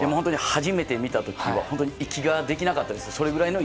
初めて見た時は息ができなかったです。